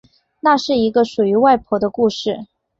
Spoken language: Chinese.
那是一个属于外婆的故事